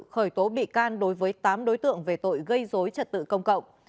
khởi tố bị can đối với tám đối tượng về tội gây dối trật tự công cộng